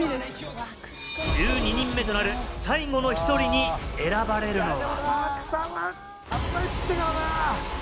１２人目となる最後の１人に選ばれるのは。